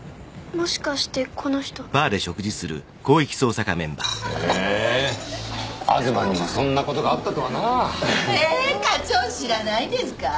もしかしてこの人へぇ東にもそんなことがあったとはなえぇ課長知らないんですか？